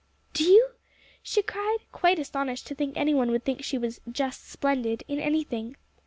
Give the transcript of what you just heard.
"Do you?" she cried, quite astonished to think any one would think she was "just splendid" in anything.